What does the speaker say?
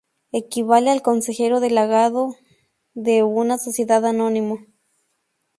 Equivale al Consejero Delegado de una sociedad anónima.